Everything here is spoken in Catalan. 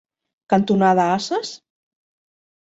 cantonada Ases?